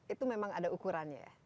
itu memang ada ukurannya ya